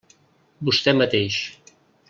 Vostè mateix.